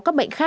các bệnh khác